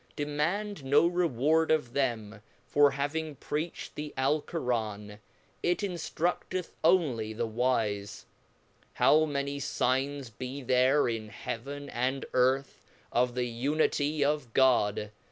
Demand no reward of them for having preached the Alceran, it inftrudeth onely the wife. How many fignes be there in Heaven and Earth, of the unity of God